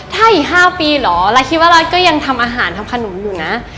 ถ้าอีก๕ปีเหรอรัฐคิดว่ารัฐก็ยังทำอาหารทำขนมอยู่นะ